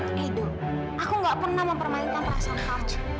edo aku gak pernah mempermainkan perasaan kamu